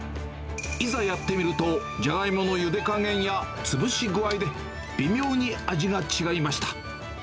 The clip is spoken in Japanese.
いざやってみると、じゃがいものゆで加減や潰し具合で、微妙に味が違いました。